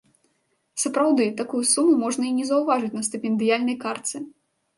Сапраўды, такую суму можна і не заўважыць на стыпендыяльнай картцы.